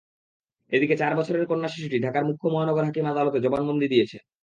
এদিকে চার বছরের কন্যা শিশুটি ঢাকার মুখ্য মহানগর হাকিম আদালতে জবানবন্দি দিয়েছে।